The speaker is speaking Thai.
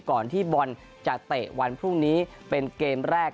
ก่อนที่บอลจะเตะวันพรุ่งนี้เป็นเกมแรก